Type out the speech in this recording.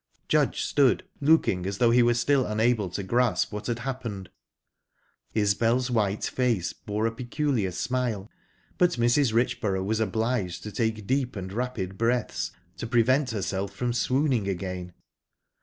Judge stood looking as though he were still unable to grasp what had happened, Isbel's white face bore a peculiar smile, but Mrs. Richborough was obliged to take deep and rapid breaths to prevent herself from swooning again.